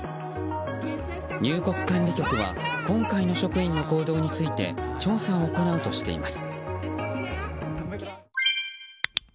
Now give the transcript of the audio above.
入国管理局は今回の職員の行動について調査を行うとしています。